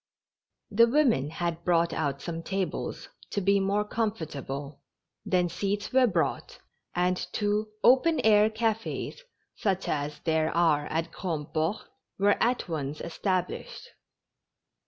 The woinen had brought out some tables, to be more comfortable, tlien seats were brought, and two open air cafes, such as there are at Grandport, were at once established.